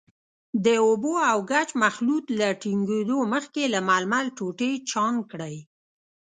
د اوبو او ګچ مخلوط له ټینګېدو مخکې له ململ ټوټې چاڼ کړئ.